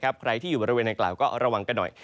ใครที่อยู่บริเวณนางกล่าวก็ระวังกันหน่อย